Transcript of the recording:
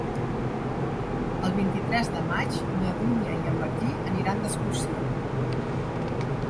El vint-i-tres de maig na Dúnia i en Martí aniran d'excursió.